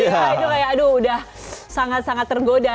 nah itu kayak aduh udah sangat sangat tergoda